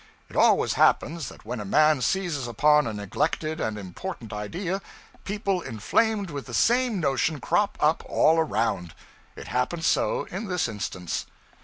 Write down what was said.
It always happens that when a man seizes upon a neglected and important idea, people inflamed with the same notion crop up all around. It happened so in this instance.